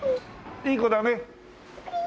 いい子だね！